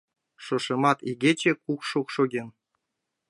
Шошымат игече кукшо шоген.